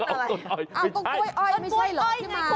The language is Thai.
เอาต้นกล้วยอ้อยไม่ใช่เหรอที่หมายคุณ